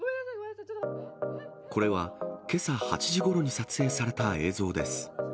これはけさ８時ごろに撮影された映像です。